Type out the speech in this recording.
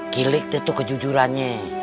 kilik deh tuh kejujurannya